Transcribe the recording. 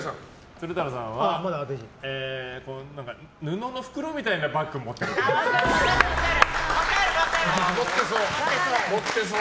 鶴太郎さんは布の袋みたいなバッグ持ってそう。